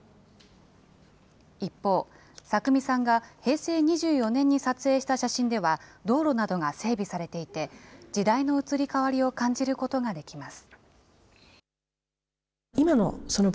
一方、朔美さんが平成２４年に撮影した写真では道路などが整備されていて、時代の移り変わりを感じることができます。